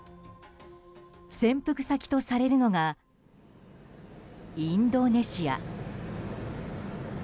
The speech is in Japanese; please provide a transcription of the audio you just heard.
潜伏先とされるのがインドネシア。